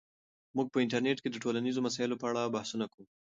موږ په انټرنیټ کې د ټولنیزو مسایلو په اړه بحثونه کوو.